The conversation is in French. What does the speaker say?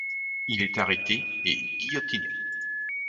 Il est arrêté et guillotiné.